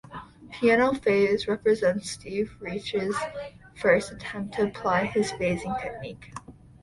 "Piano Phase" represents Steve Reich's first attempt to apply his "phasing" technique.